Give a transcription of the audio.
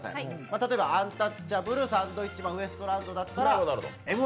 例えばアンタッチャブル、サンドウィッチマン、ウエストランドだったら、「Ｍ−１」